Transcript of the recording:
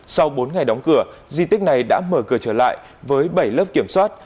sau bốn ngày đóng cửa di tích này đã mở cửa trở lại với bảy lớp kiểm soát